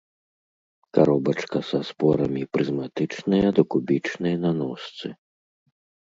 Каробачка са спорамі прызматычная да кубічнай на ножцы.